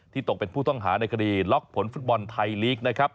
ตกเป็นผู้ต้องหาในคดีล็อกผลฟุตบอลไทยลีกนะครับ